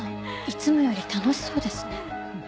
いつもより楽しそうですね。